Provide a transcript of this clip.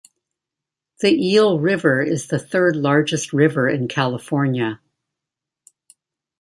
The Eel River is the third largest river in California.